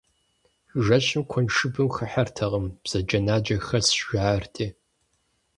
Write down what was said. Жэщым куэншыбым хыхьэртэкъым, бзаджэнаджэ хэсщ, жаӏэрти.